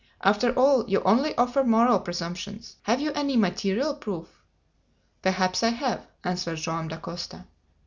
After all, you only offer moral presumptions. Have you any material proof?" "Perhaps I have," answered Joam Dacosta.